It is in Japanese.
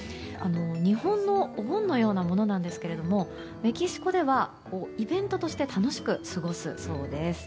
日本のお盆のようなものなんですけれどもメキシコではイベントとして楽しく過ごすそうです。